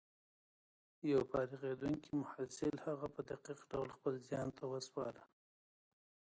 يو فارغېدونکي محصل هغه په دقيق ډول خپل ذهن ته وسپاره.